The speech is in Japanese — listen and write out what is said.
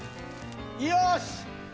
よし！